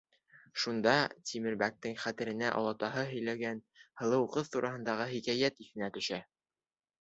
Шунда Тимербәктең хәтеренә олатаһы һөйләгән, һылыу ҡыҙ тураһындағы хикәйәт иҫенә төшә.